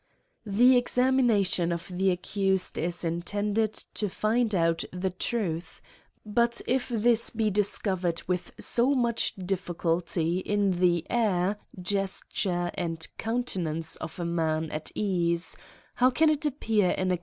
The examination of the accused is intended to find out the truth ; but if this be discovered with so much difliiculty in the air, gesture, and counte nance of a man at ease, how can it appear in a CRIMES AND PUNISHIVIENTS.